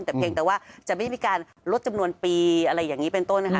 แต่เพียงแต่ว่าจะไม่มีการลดจำนวนปีอะไรอย่างนี้เป็นต้นนะคะ